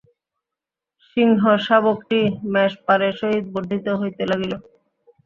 সিংহশাবকটি মেষপালের সহিত বর্ধিত হইতে লাগিল।